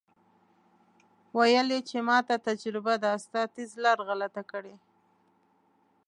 ویل یې چې ماته تجربه ده ستا ټیز لاره غلطه کړې.